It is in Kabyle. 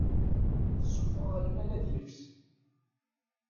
Sufɣeɣ lmal ad yeks.